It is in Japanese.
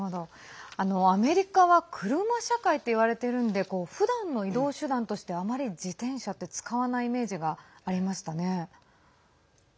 アメリカは車社会っていわれてるんでふだんの移動手段ではあまり自転車って使わないイメージがありましたね。